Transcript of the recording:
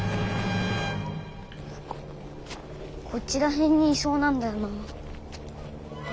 こっちら辺にいそうなんだよな。